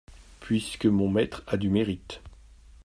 Puisque mon maître a du mérite.